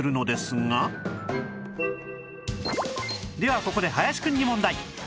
ここで林くんに問題